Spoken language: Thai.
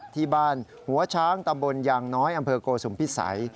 ที่บ้านหัวช้างตำบลยางน้อยอำเภอโกสุมพิสัย